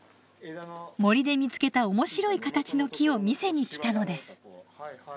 森で見つけた面白い形の木を見せに来たのです。